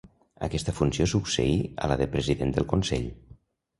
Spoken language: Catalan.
Aquesta funció succeí a la de president del Consell.